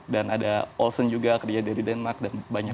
dan ada olsen juga kerjanya dari denmark dan banyak lagi